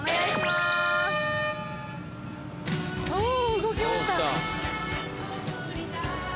動きました。来た。